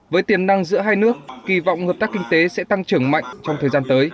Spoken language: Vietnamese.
với tiềm năng giữa hai nước kỳ vọng hợp tác kinh tế sẽ tăng trưởng mạnh trong thời gian tới